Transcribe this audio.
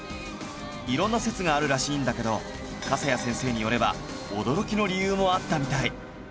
色んな説があるらしいんだけど笠谷先生によれば驚きの理由もあったみたい